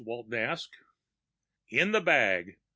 Walton asked. "In the bag.